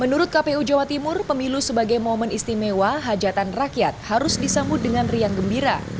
menurut kpu jawa timur pemilu sebagai momen istimewa hajatan rakyat harus disambut dengan riang gembira